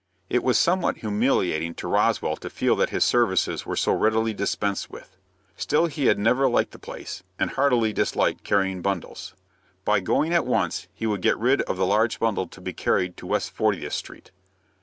It was somewhat humiliating to Roswell to feel that his services were so readily dispensed with. Still he had never liked the place, and heartily disliked carrying bundles. By going at once, he would get rid of the large bundle to be carried to West Fortieth Street.